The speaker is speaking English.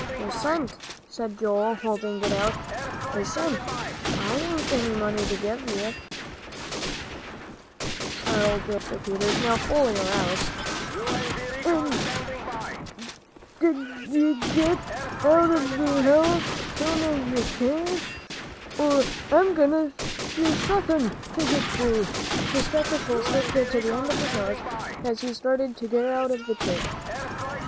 "Your cent," said Joel, holding it out. "A cent? I hain't any money to give ye," snarled old Mr. Peters, now fully aroused, "And d'ye git out of this house soon's ye can, or I'll give ye suthin' to git for." His spectacles slipped to the end of his nose as he started to get out of the chair.